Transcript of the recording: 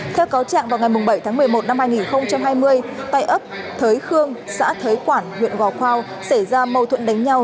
theo cáo trạng vào ngày bảy tháng một mươi một năm hai nghìn hai mươi tại ấp thới khương xã thới quản huyện gò khoao xảy ra mâu thuẫn đánh nhau